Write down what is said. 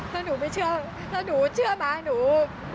ถ้าหนูไม่เชื่อถ้าหนูเชื่อม้าหนู